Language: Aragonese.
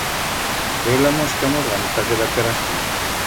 Bela mosca murganta queda per astí.